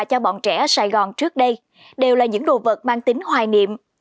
cho bọn trẻ ở sài gòn trước đây đều là những đồ vật mang tính hoài niệm